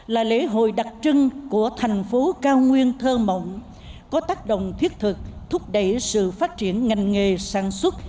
là lễ hội đặc trưng của thành phố cao nguyên thơ mộng có tác động thiết thực thúc đẩy sự phát triển ngành nghề sản xuất